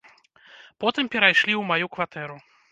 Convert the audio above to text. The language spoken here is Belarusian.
Потым перайшлі ў маю кватэру.